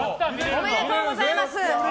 おめでとうございます。